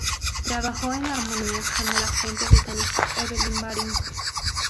Trabajó en armonía con el agente británico Evelyn Baring.